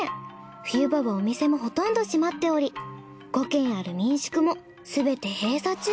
冬場はお店もほとんど閉まっており５軒ある民宿もすべて閉鎖中。